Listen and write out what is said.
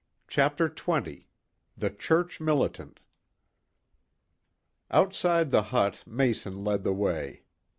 CHAPTER XX THE CHURCH MILITANT Outside the hut Mason led the way.